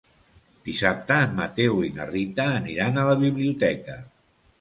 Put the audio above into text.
Dissabte en Mateu i na Rita aniran a la biblioteca.